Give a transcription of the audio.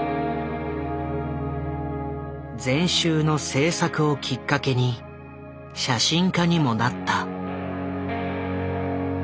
全集の制作をきっかけに写真家にもなった。